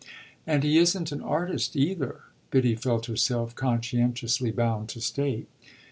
"And he isn't an artist either," Biddy felt herself conscientiously bound to state.